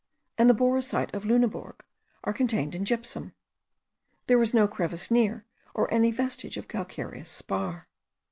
and the boracite of Lunebourg, are contained in gypsum. There was no crevice near, or any vestige of calcareous spar.